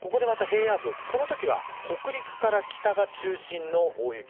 このときは北陸から北が中心の大雪。